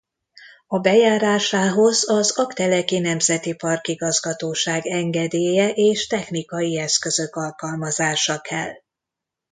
A bejárásához az Aggteleki Nemzeti Park Igazgatóság engedélye és technikai eszközök alkalmazása kell.